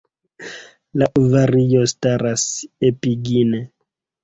La ovario staras epigine.